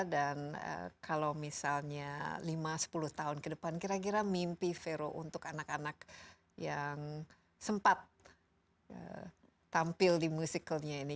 dan kalau misalnya lima sepuluh tahun ke depan kira kira mimpi vero untuk anak anak yang sempat tampil di musikalnya ini